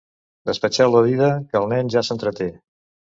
Despatxeu la dida, que el nen ja s'entreté.